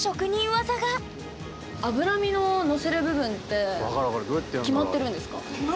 脂身ののせる部分って決まってるんですか？